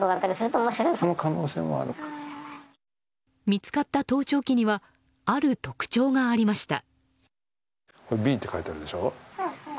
見つかった盗聴器にはある特徴がありました。